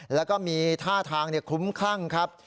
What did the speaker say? แล้วก็มีท่าทางคลุ้มคลั่งครับ